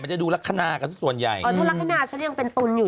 ถ้ารฆฮนะฉันยังเป็นตุ๋นอยู่